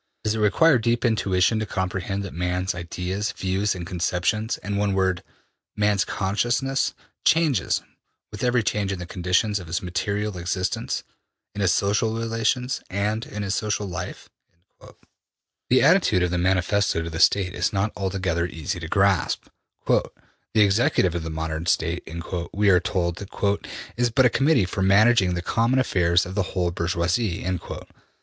Does it require deep intuition to comprehend that man's ideas, views and conceptions, in one word, man's consciousness, changes with every change in the conditions of his material existence, in his social relations, and in his social life?'' The attitude of the Manifesto to the State is not altogether easy to grasp. ``The executive of the modern State,'' we are told, ``is but a Committee for managing the common affairs of the whole bourgeoisie.''